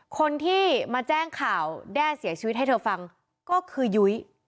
คนที่มาแจ้งข่าวแด้เสียชีวิตให้เธอฟังก็คือยุ้ย